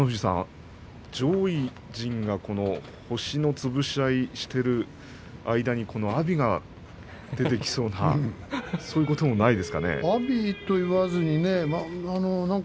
上位陣が星のつぶし合いをしている間にこの阿炎が出てきそうなそういう感じはしませんか？